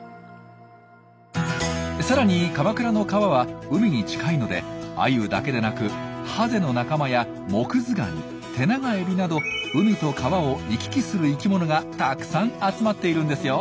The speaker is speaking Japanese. さらに鎌倉の川は海に近いのでアユだけでなくハゼの仲間やモクズガニテナガエビなど海と川を行き来する生きものがたくさん集まっているんですよ。